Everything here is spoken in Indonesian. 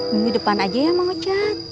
minggu depan aja ya mak ocad